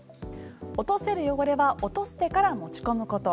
落とせる汚れは落としてから持ち込むこと。